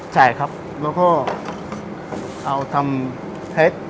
ใช่ครับแล้วก็เอาทำเท็จ